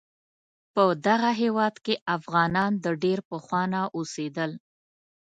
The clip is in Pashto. په دغه هیواد کې افغانان د ډیر پخوانه اوسیدل